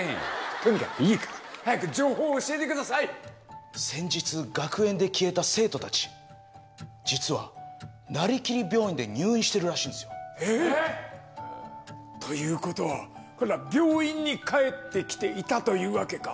とにかくいいから、早く情報先日、学園で消えた生徒たち、実はなりきり病院で入院してるらしいんでえっ？ということは、これは病院に帰ってきていたというわけか。